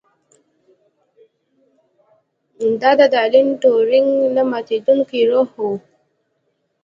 دا د الن ټورینګ نه ماتیدونکی روح و